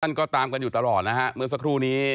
ก็ตามกันอยู่ตลอดนะฮะเมื่อสักครู่นี้